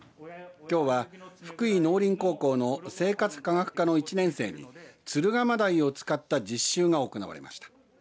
きょうは福井農林高校の生活科学科の１年生に敦賀真鯛を使った実習が行われました。